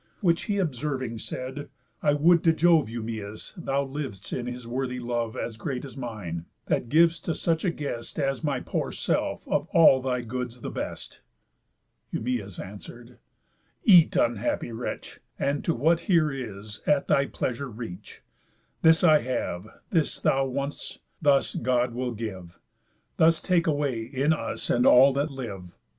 Which he observing said: "I would to Jove, Eumæus, thou liv'dst in his worthy love As great as mine, that giv'st to such a guest As my poor self of all thy goods the best." Eumæus answer'd: "Eat, unhappy wretch, And to what here is at thy pleasure reach. This I have, this thou want'st; thus God will give, Thus take away, in us, and all that live.